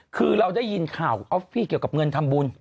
คือเราได้ยินข่าวออฟฟี่เกี่ยวกับเงินทำบุญ